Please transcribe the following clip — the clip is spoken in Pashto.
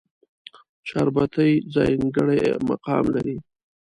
چاربېتې ځانګړی مقام لري.